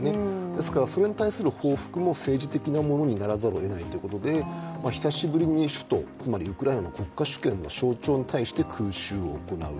ですからそれに対する報復も政治的なものにならざるをえないということで久しぶりに首都、ウクライナの国家主権の象徴に対して空襲を行う。